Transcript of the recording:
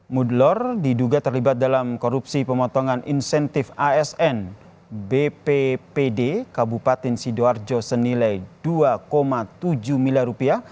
mudlor diduga terlibat dalam korupsi pemotongan insentif asn bppd kabupaten sidoarjo senilai dua tujuh miliar rupiah